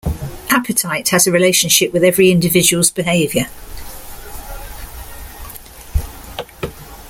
Appetite has a relationship with every individual's behavior.